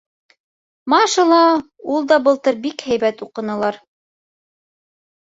Маша ла, ул да былтыр бик һәйбәт уҡынылар.